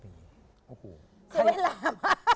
เสียเวลามา